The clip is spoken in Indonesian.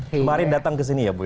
kemarin datang ke sini ya bu ya